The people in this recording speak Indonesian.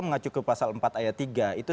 mengacu ke pasal empat ayat tiga itu